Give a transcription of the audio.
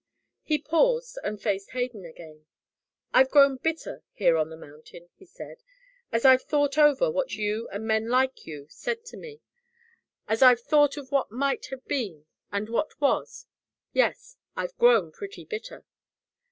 He paused, and faced Hayden again. "I've grown bitter, here on the mountain," he said, "as I've thought over what you and men like you said to me as I've thought of what might have been and what was yes, I've grown pretty bitter.